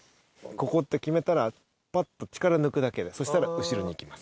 ここって決めたら、ぱっと力抜くだけで、そしたら後ろにいきます。